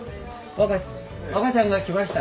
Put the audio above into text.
ワカちゃんが来ました。